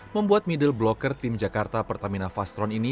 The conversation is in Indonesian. membuat middle blocker tim jakarta pertamina fast road ini